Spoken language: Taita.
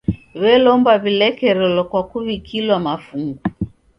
W'elomba w'ilekerelo kwa kuw'ikilwa mafungu.